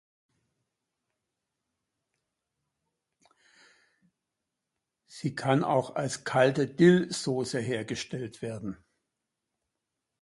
Sie kann auch als kalte Dillsauce hergestellt werden.